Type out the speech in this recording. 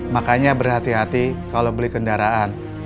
makanya berhati hati kalau beli kendaraan